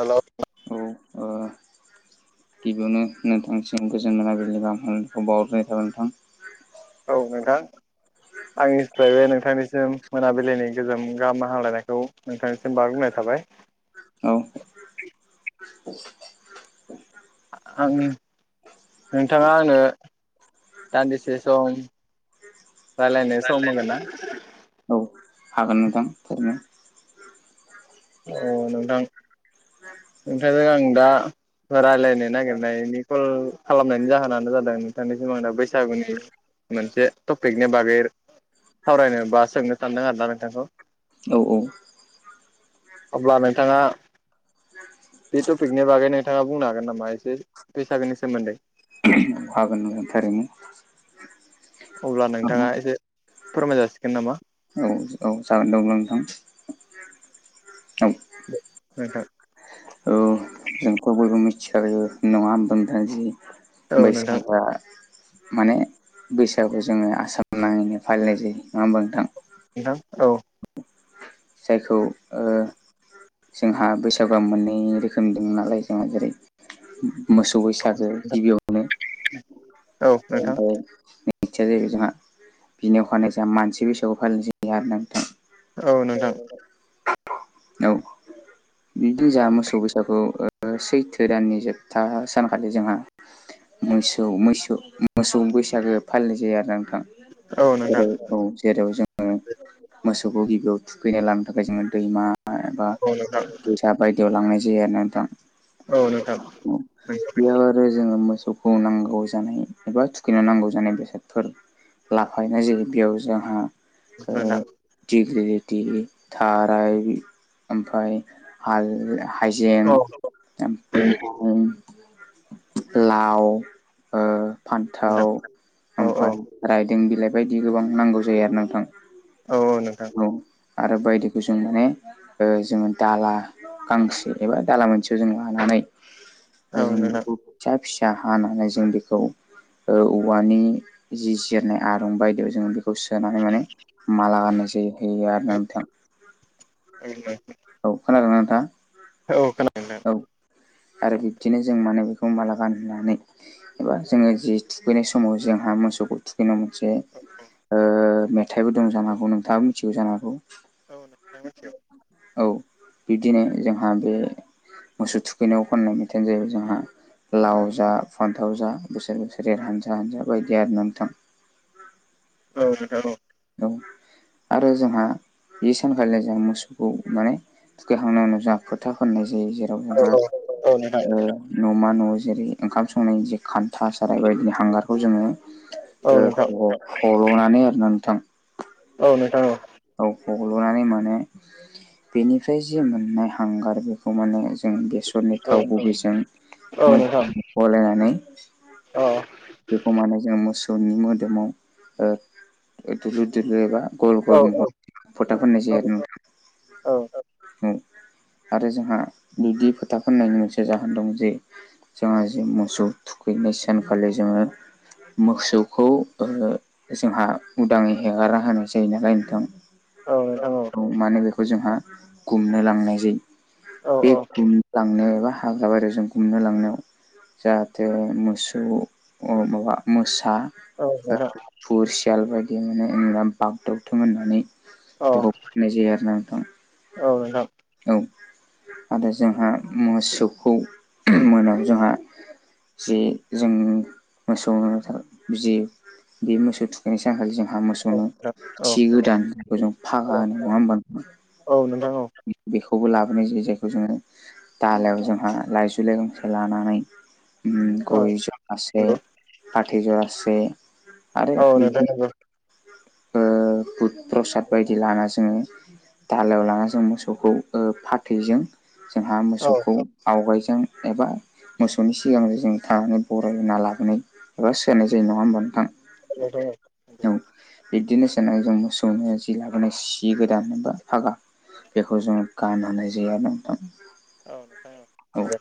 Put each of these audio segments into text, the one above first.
Hello औ ओ गिबियावनो नोंथांसिम गोजोन मोनाबिलि गाहाम हामलानायखौ बावहरनाय थाबाय नोंथां। औ नोंथां‌। आंनिफ्रायबो नोंथांनिसिम मोनाबिलिनि गोजाम गाहाम हामलायनायखौ नोंथांनिसिम बार बुंनाय थाबाय। औ। आं नोंथाङा आंनो दान्दिसे सम राय्लायनाय सम मोनगोन ना औ हागोन नोंथां थारैनो अ नोंथां नोंथांजों आं दा रायलायनाय नागिरनायनि कल खालामनायनि जाहोनानो जादों नोंथांनि सिमां दा बैसागुनि मोनसे टपिकनि बागै सावरायनो बा सोंनो सानदों आरोना नोंथांखौ औ औ अब्ला नोंथाङा बे टपिकनि बागै नोंथाङा बुंनो हागोन नामा एसे बैसागोनि सोमोन्दै फागोन थारैनो अब्ला नोंथाङा एसे फोरमाय जासिगोन नामा औ जागोन दे अब्ला नोंथां औ नोंथां औ जोंथ' बयबो मिथिखायो नङा होनबा नोंथां जि औ नोंथां बैसागआ माने बैसागु जोङो आसाम नाङैनो फालिनाय जायो नङा होमबा नोंथां? नोंथां औ जायखौ ओ जोंहा बैसागुआ मोननै रोखोमनि दं नालाय जोंहा जेरै मोसौ बैसागो गिबियावनो नोंथां [unintelligible] मिथियादै जोंहा बिनि अखानाय जोंहा मानसि बैसागुआव फालिनाय जायो आरो ना नोंथां औ नोंथां औ औ बिदिनो जोंहा मोसौ बैसाागु ओ सैथो दाननि जोबथा सानखालि जोंहा मोसौ मैसो मोसौ बैसागो फालिनाय जायो आरोना नोंथां जेराव जों मोसौखौ गिबियाव थुखैना लानो थाखाय जोङो दैमा एबा औ नोंथां दा बायदियाव लांनाय जायो आरो ना नोंथां औ नोंथां नोंगौ औ बेयाव आरो जोङो मोसौखौ नांगौ जानाय एबा थुखैनो नांगौ जानाय बेसादफोर लाफायनाय जायो बेयाव जोंहा मोजां दिगलिलिटि थाराय ओमफ्राय हा हाइजें औ ओमफाय लाव ओ नोंथां फान्थाव औ ओमफाय औ रायदों बिलाइ बायदि गोबां नांगौ जायो आरोना नोंथां औ औ नोंथां आरो बायदिखौ जों माने ओ जोङो दाला गांसे एबा दाला मोनसेयाव जों लानानै औ जों नोंथां बेखौ फिसा फिसा हानानै जों बेखौ ओ औवानि जि सेरनाय आरं बायदियाव जों बे खौ सोना होनानै माला गानहोनाय जायो होयो आरो ना नोंथां [unintelligible] औ खोनादोंना नोंथाङा? औ खोनादों नोंथां औ आरो बिब्दिनो जों माने बेखौ माला गानहोनानै एबा जोङो जि थुखैनाय समाव जोंहा मोसौखौ थुखैनांगौ मोनसे ओ मेथाइबो दं जानो हागौ नोंथाङाबो मिथिगौ जानो हागौ औ नोंथां मिथियो औ बिब्दिनो जोंहा बे मोसौ थु बेनियाव खननाय मेथाइयानो जाहैबाय जोंहा लाव जा फान्थाव जा बोसोर बोसोर एर हानजा हानजा हानजा बायदि आरो नोंथां। औ नोंथां औ। औ आरो जोंहा बे सानखालिनो जों मोसौखौ माने थुखैखांनाय उनाव जा फोथा फोननाय जायो जेराव जोंहा औ औ औ नोंथां ओ न'मा न' जेरै ओंखाम संनायनि जे खान्था साराय बायदि हांगारखौ जोङो औ नोंथां ओ ह हल'नानै आरोना नोंथां। औ नोंथां औ। औ हल'नानै मोने बेनिफ्राय जि मोननाय हांगार बेखौ माने ज जों बेसरनि थाव गुबैजों औ मोजां गलायनानै अ बेखौ माने जोङो मोसौनि मोदोमाव ओ दुलुर [unintelligible] एबा गल गल औ- महर औ फोथा फोननाय जायो औ आरो -औ। [unintelligible] जोंहा जि मोसौ थुखैनाय सानखालि जोङो मोसौखौ ओ जोंहा उदाङै हेगारा होनाय जायो नालाय नोंथां। औ नोंथां औ। औ मानोे बेखौ जोंहा गुमनो लांनाय जायो। औ। बे गुमनो लांनायाव एबा हाग्रा बारिजों गुमनो लांनायाव जाहाथे मोसौ अ माबा मोसा औ औ नोंथां ओ खुरसियाल बायदि माने [unintelligible] बागदथुम होननानै बेखौ होननाय जायो आरोना नोंथां। औ नोंथां। औ आरो जोंहा मोसौखौ मोनायाव जोंहा जे जों मोसौ [unintelligible] जे बे मोसौ थुखैनाय सानखालि जोंहा मोस औ नोंथां खौनो औ नोंथां औ थि गोदान जों फागा होनो नङा होनबा नोंथां? औ नोंथां औ। बेखौबो लाबोनाय जायो जायखौ जोङो दालायाव जोंहा लाइजौलाइ गांसे लानानै उम गय जरासे फाथै जरासे आरो औ बि नोंथां नंगौ [unintelligible] ओ बुद प्रसाद बायदि लाना जोङो धालायाव लाना ज जों मोसौखौ ओ फाथैजों जोंहा औ मोसौखौ आवगायजों एबा मोसौनि सिगांजों थानानै बरायहोना लाबोनाय एबा सोनाय जायो नङा होमबा नोंथां? [inaudible] औ बिब्दिनो सानाय जों मोसौनो जि लाबोनाय सि गोदानबा फागा बेखौ जोङो [unintelligible] औ नोंथां औ। औ। [unintelligible]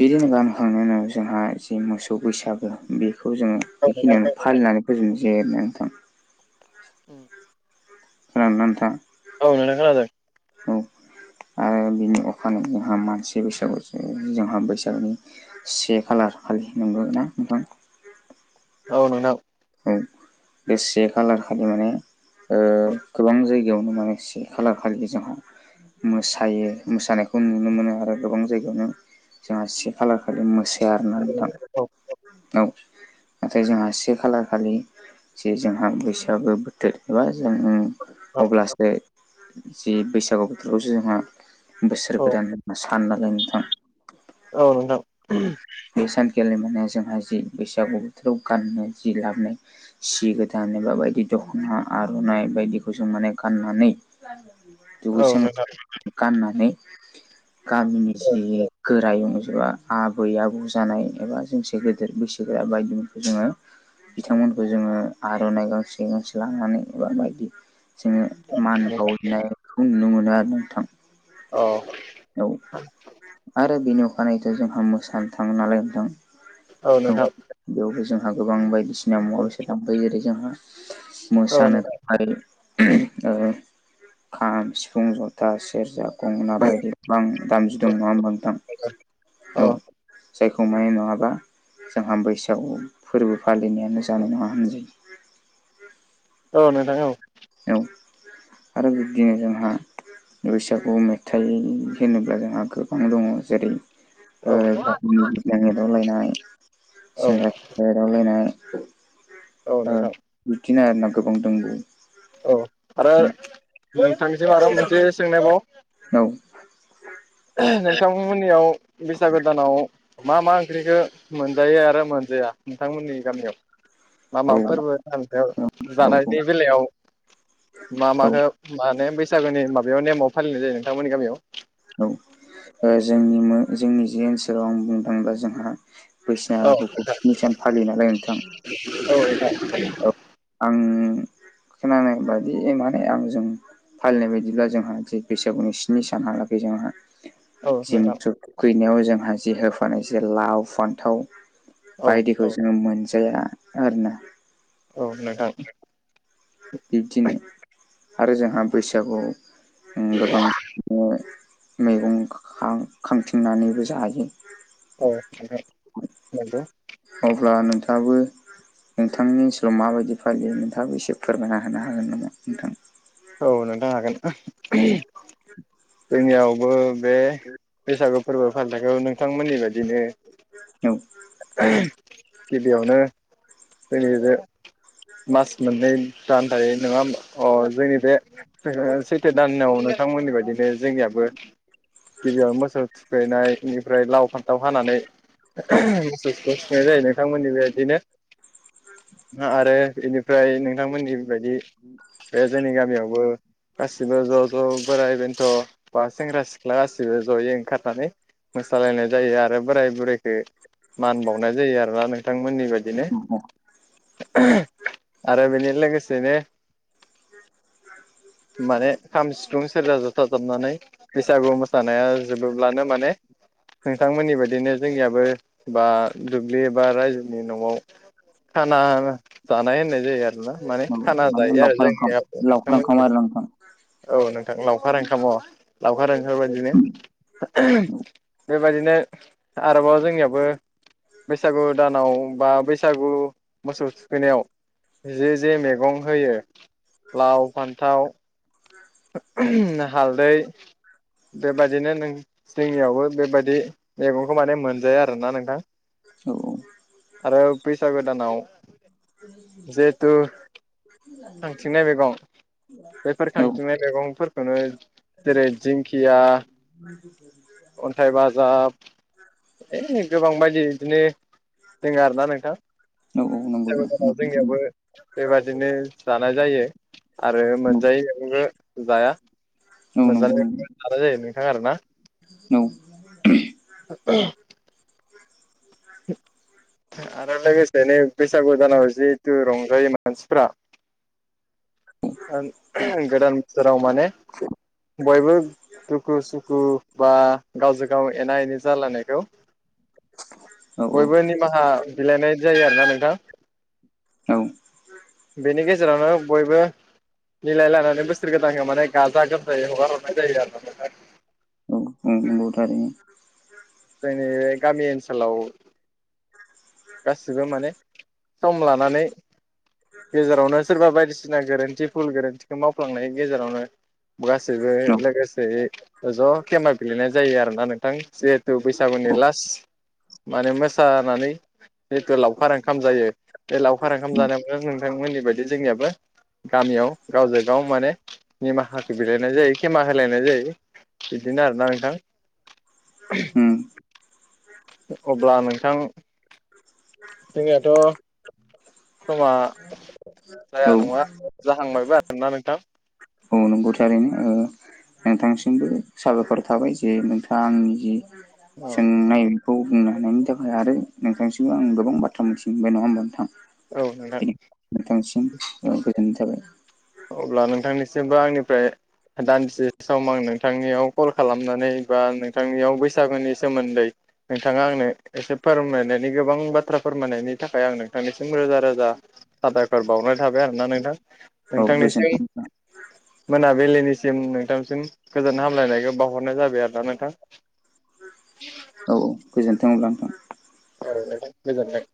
[unintelligible] गानखांनायनि उनाव जोंहा जे मोसौ बैसागु बेखौ जोङो औ नोंथां बेखिनियावनो फालिनानै फोजोबनिसै आरोना नोंथां उम खोनादोंना नोंथाङा? औ नोंथां खोनादों। औ। आरो बिनि अखानायै जोंहा मानसि बैसागु [unintelligible] जोंहा बैसागोनि से खालार खालि नंगौ ना नोंथां? औ नोंथां। औ बे से खालार खालि माने ओ गोबां जायगायावनो माने से खालार खालि जोंहा मोसायो मोसानायखौ नुनो मोनो आरो गोबां जायगायावनो जोंहा से खालार खालि मोसाया आरोना नोंथां औ नाथाय जोंहा से खालार खालि जे जोंहा बैसागो बोथोर एबा जों औ अब्लासो जि बैसागु बोथोरावसो जोंहा बोसोर औ गोदान सानना लायो नोंथां औ नोंथां बे सानखालि माने जोंहा जि बैसागु बोथोराव गाननो जि लाबोनाय सि गोथां एबा बायदि दख'ना आर'नाइ बायदिखौ जों माने गाननानै औ दुगैस्रां नोंथां लोबस्रां गाननानै गामिनि जि गोरायुं जोंहा आबै आब बौ जानाय एबा जोंसे गेदेर बैसोगोरा बायदिफोरखौ जोङो बिथांमोनखौ जोङो आर'नाइ गांसे गांसे लानानै एबा बायदि जोङो मान बावहैनायखौ नुनो मोनो आरो नोंथां औ औ आरो बेनि अखानायैथ' जोंहा मोसानो थाङो नालाय नोंथां औ नोंथां बेयावबो जोंहा गोबां बायदिसिना मुवा बेसाद लांबाय जेरै जोंहा औ मोसानो आरो ओ खाम सिफुं जथा सेरजा गंगोना बायदि गोबां दामजु दं नङा होमबा नोंथां औ जायखौ माय नङाबा जोंहा बैसागु फोरबो फालिनायानो जानाय नङा होनजायो औ नोंथां औ औ आरो बिब्दिनो जोंहा बैसागु मेथाइ होनोब्ला जोंहा गोबां दङ जेरै ओ [inaudible] जों एदावलायनाय सेंग्रा सिख्ला एदावलायनाय ओ नोंथां बिदिनो आरोना गोबां दंबावो औ आरो नोंथांनिसिम आरो मोनसे सोंनायबाव औ नोंथांमोननियाव बैसागो दानाव मा मा ओंख्रिखौ मोनजायो आरो मोनजाया नोंथांमोननि गामियाव मा मा औ फोरबो दान सेआव जानायनि बेलायाव मा औ माखो माहोनो बैसागोनि माबायाव नेमाव फालिनाय जायो नोंथांमोननि गामियाव? औ ओ जोंनि जोंनि जे ओनसोलाव आं बुंनो थांङोब्ला जोंहा बैसागुखौ स्नि सान फालियो नालाय नोंथां औ नोंथां औ आं खोनानाय बायदि माने आंजों फालिनाय बायदिब्ला जोंहा बैसागुनि स्नि सानहालागै जोंहा औ जि नोंथां मोसौ दुखैनायाव जोंहा जि होफानाय जे लाव फान्थाव औ बायदिखौ जोंङो मोनजाया आरोना औ नोंथां बिब्दिनो आरो जोंहा बैसागु ओ गोबां बिनो मैगं खां खांथिंनानैबो जायो औ नोंथां नंगौ अब्ला नोंथांङाबो नोंथांनि ओनसोलाव माबायदि फालियो नोंथांङाबो एसे फोरमायना होनो हागोन नामा नोंथां औ नोंथां हागोन जोंनियावबो बे बैसागु फोरबो फालिथाइखौ नोंथांमोननि बायदिनो औ [unintelligible] गिबियावनो जोंनि बे मास मोननै दानथायो नंङा होमबा? अ जोंनि बे सैथो दानाव नोंथांमोननि बायदिनो जोंनियाबो गिबियावनो मोसौ थुखैनाय बेनिफ्राय लाव फान्थाव हानानै औ मोसौखौ थुखैनाय जायो नोंथांमोननि बेबायदिनो आरो बेनिफ्राय नोंथांमोननिबायदि बे जोंनि गामियावबो गासिबो ज' ज' बोराय बेन्थ' बा सेंग्रा सिख्लागाबो जयै ओंखारनानै मोसालायनाय जायो आरो। बोराय बुरैखो मान बावनाय जायो आरोना नोंथांमोननि बायदिनो आरो बेनि लोगोसेनो माने खाम‌ सि सिफुं सेरजा जथााजाबनानै बैसागु मोसानाया जोबोब्लानो माने नोंथांमोननि बायदिनो जोंनियाबो बा दुब्लि एबा रायजोनि न'आव खाना जानाय होनाय जायो आरोना माने खाना माने जायो आरो लावखार ओंखाम जोंनि लावखार ओंखाम नोंथांमोननि आरो नोंथां औ नोंथां लावखार ओंखाम' लावखार ओंखारबायायदिनो बेबायदिनो आरोबाव जोंनियाबो बैसागु दानाव बा बैसागु बैसागु मोसौ थुखैनायाव जे जे मैगं होयो। लाव, फान्थाव हालदै बेबादिनो नों जोंनियावबो बेबायदि मैगंखौ माने मोनजाया आरोना नोंथां। औ औ। आरो बैसागो दानाव जिहेथु खांथिंनाय मैगं बेफोर खां औ थिंनाय मेगंफोरखौनो जेरै दिंखिया [unintelligible] अन्थाइ बाजाब इयै गोबांबायायदि बिदिनो दोङो आरो ना नोंथां। औ औ नंगौ। औ गोदानाव नंगौ जोंनियावबो बेबायादिनो जानाय जायो आरो मोनजायैयावबो जाया नंगौ औ मोनजानाय जानाय जायो नोंथां आरो ना। [unintelligible] [unintelligible] आरो लोगोसे नै बैसागु दानाव जिहेथु रंजायो मानसिफ्रा आ गोदान बोसोराव माने बयबो दुखु सुखु बा गावजों गाव एना एनि जालायनायखौ औ बयबो निमाहा बिलाइनाय जायो आरो ना नोंथां औ बेनि गेजेरावनो बयबो मिलाय लानानै बोसोर गोदानखौ माने गाजा गोमजायै हगार हरनाय जायो आरो ना नोंथां। नोंगौथ आरो। जोंनि बे गामि ओनसोलाव गासिबो माने सम लानानै गेजेरावनो सोरबा बायदिसिना गोरोन्थि फुल गोरोन्थिखौ मावफ्लांनायनि गेजेरावनो गासैबो औ लोगोसे ज' केेमेरा बिलायनाय जायो आरो ना नोंथां जिहेथु बैसागुनि लास्ट माने मोसानानै जितु लावखार ओंखाम जायो बे लावखार ओंखाम जानायाव नोंथांमोननि बायदि जोंनियाबो गामियाव गावजों गाव माने निमाहाखौ बिलइनाय जायो खेमा होलायनाय जायो। बिदिनो आर ना नोंथां। [inaudible] अब्ला नोंथां जोंनियाथ' समा जाया औ नङा जाहांबायबो आरोना नोंथां। औ नंगौ थारैनो नोंथांसिमबो साबायखर थाबाय जे नोंथाङा आंनि जि औ सोंनाय बे खौखौ बुंनो हानायनि थाखाय आरो नोंथांनिसिमबो आं गोबां बाथ्रा मिथिहबाय नङा होमबा नोंथां। औ नोंथां। बेनि नोंथांसिम गोजोननाय थाबाय। अब्ला नोंथांनिसिमबो आंनिफ्राय दान्से सम आं नोंथांनियाव कल खालामनानै बा नोंथांनियाव बैसागुनि सोमोन्दै नोंथाङा आंनो एसे फोरमायनायनि गोबां बाथ्रा फोरमायनायनि थाखाय आं नोंथांनिसिम रोजा रोजा साबायफोर बावनाय थाबाय आरोना नोंथां औ गोजोनथों औ नोंथांनिसिम मोनाबिलिनिसिम नोंथांसिम गोजोन हामलायनायखौ बावहरनाय जाबाय आरो ना नोंथां। [inaudible] गोजोन्थों नोथां। औ नोंथां गोजोनबाइ।